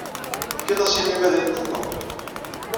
Tefkiḍ-as i mmi-m ad iṭṭeḍ?